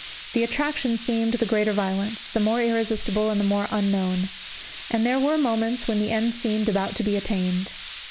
The attraction seemed the greater violence, the more irresistible, and the more unknown. And there were moments when the end seemed about to be attained.